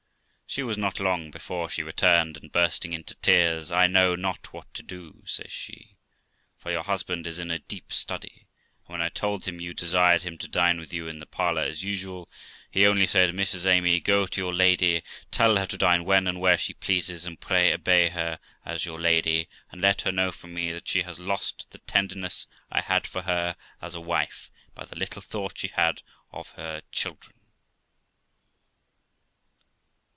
She was not long before she returned, and bursting into tears, 'I know not what to do', says she, 'for your husband is in a deep study, and when I told him you desired him to dine with you in the parlour as usual, he only said, "Mrs Amy, go to your lady, tell her to dine when and where she pleases, and pray obey her as your lady; but let her know from me that she has lost the tenderness I had for her as a wife, by the little thought she had of her children.'"